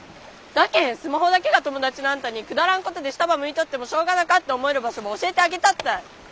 だけんスマホだけが友だちのあんたにくだらんことで下ばむいとってもしょうがなかって思える場所ば教えてあげたったい。